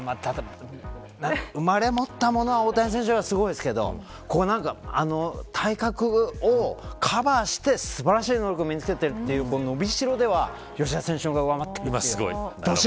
生まれ持ったものは大谷選手がすごいですけど体格をカバーして素晴らしい能力を身に付けているという伸びしろでは吉田選手のが上回っている。